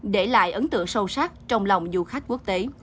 để lại ấn tượng sâu sắc trong lòng du khách quốc tế